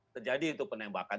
terjadi itu penembakan